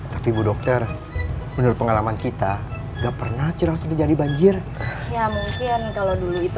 tapi bu dokter menurut pengalaman kita enggak pernah cerah sudah jadi banjir ya mungkin kalau dulu itu